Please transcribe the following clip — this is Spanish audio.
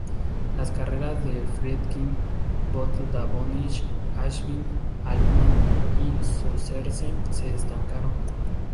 Las carreras de Friedkin, Bogdanovich, Ashby, Altman y Scorsese se estancaron.